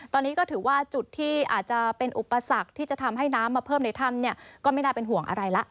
ตอนนี้ก็ถือว่าจุดที่อาจจะเป็นอุปสรรคที่จะทำให้น้ำมาเพิ่มในถ้ำเนี่ยก็ไม่น่าเป็นห่วงอะไรละ